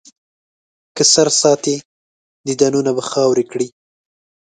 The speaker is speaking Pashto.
که سر ساتې، دیدنونه به خاورې کړي.